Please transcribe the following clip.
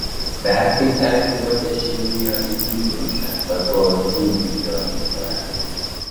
برخی ترکیبات شیمیایی میجوشند و گازدود ایجاد میکنند.